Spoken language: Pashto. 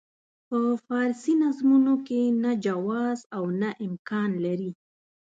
په فارسي نظمونو کې نه جواز او نه امکان لري.